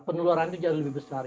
penularan itu jauh lebih besar